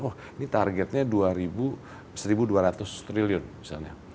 oh ini targetnya rp satu dua ratus triliun misalnya